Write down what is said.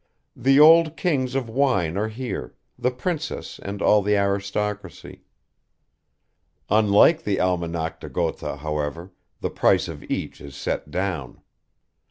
The old kings of wine are here, the princess and all the aristocracy. Unlike the Almanach de Gotha, however, the price of each is set down.